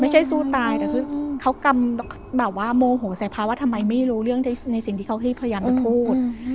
สู้ตายแต่คือเขากำแบบว่าโมโหใส่ภาวะทำไมไม่รู้เรื่องในสิ่งที่เขาพยายามจะพูด